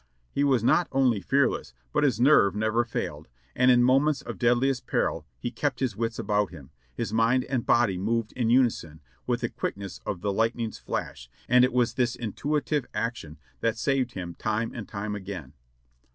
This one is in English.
He was not only fearless, but his nerve never failed, and in mo ments of deadliest peril he kept his wits about him; his mind and body moved in unison, with the quickness of the lightning's flash, and it was this intuitive action that saved him time and time again.